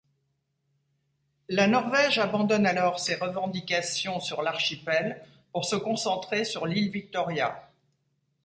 La Norvège abandonne alors ses revendications sur l'archipel pour se concentrer sur l'île Victoria.